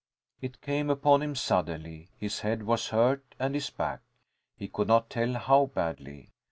It came upon him suddenly. His head was hurt, and his back. He could not tell how badly.